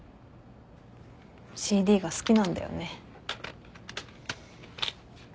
ＣＤが好きなんだよね。